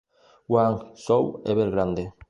Guangzhou Evergrande